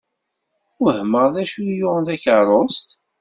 Wehmeɣ d acu i yuɣen takerrust?